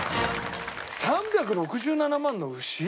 ３６７万の牛？